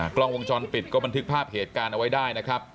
กล้องวงจรปิดก็บันทึกภาพเหตุการณ์เอาไว้ได้นะครับ